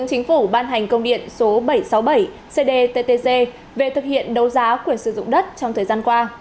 chính phủ ban hành công điện số bảy trăm sáu mươi bảy cdttg về thực hiện đấu giá quyền sử dụng đất trong thời gian qua